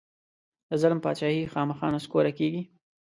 د ظلم بادچاهي خامخا نسکوره کېږي.